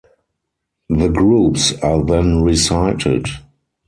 The groups are then recited.